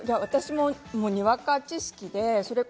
私も、にわか知識で。